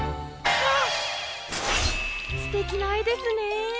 すてきなえですね。